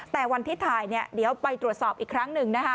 แต่วันที่ถ่ายเนี่ยเดี๋ยวไปตรวจสอบอีกครั้งหนึ่งนะคะ